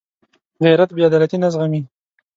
غیرت بېعدالتي نه زغمي